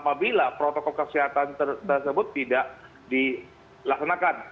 apabila protokol kesehatan tersebut tidak dilaksanakan